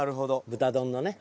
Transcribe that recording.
豚丼のね。